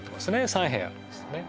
３部屋ですね